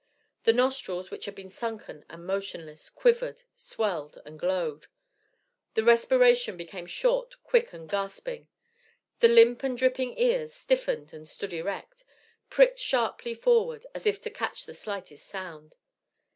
The nostrils, which had been sunken and motionless, quivered, swelled, and glowed. The respiration became short, quick and gasping. The limp and dripping ears stiffened and stood erect, pricked sharply forward, as if to catch the slightest sound.